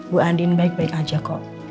bu andin baik baik aja kok